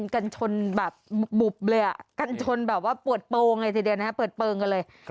กันชนแบบบุบเลยอ่ะกันชนแบบว่าเปิดเปลงเลย